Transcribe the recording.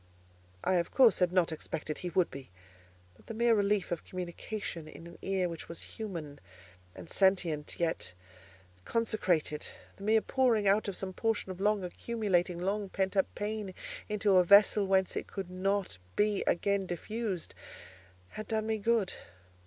Of course, I had not expected he would be; but the mere relief of communication in an ear which was human and sentient, yet consecrated—the mere pouring out of some portion of long accumulating, long pent up pain into a vessel whence it could not be again diffused—had done me good.